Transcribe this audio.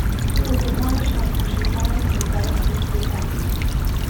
It was demolished after she died and developed into apartments.